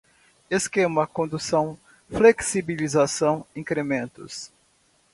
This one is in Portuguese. esquema, condução, flexibilização, incrementos